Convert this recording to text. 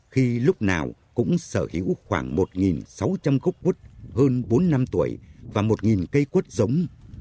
khi lúc nào cũng sở hữu khoảng một sáu trăm linh gốc quất hơn bốn năm tuổi và một cây quất giống